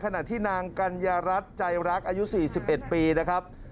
ขณะที่นางกัญญารัฐใจรักอายุ๔๑ปีนะครับ